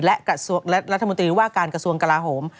และกระทรวงกราศมนตรีอีว้าการกระทรวงกราโหม